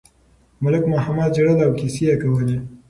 ملک محمد ژړل او کیسې یې کولې.